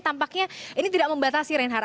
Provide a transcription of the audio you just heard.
tampaknya ini tidak membatasi reinhard